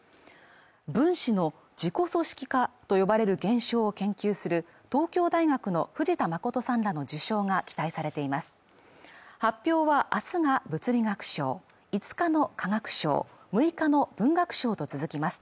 分子の自己組織化と呼ばれる現象を研究する東京大学の藤田誠さんらの受賞が期待されています